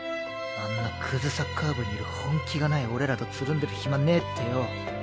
あんなクズサッカー部にいる本気がない俺らとつるんでる暇ねぇってよ。